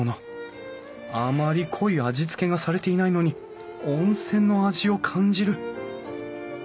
あまり濃い味付けがされていないのに温泉の味を感じる。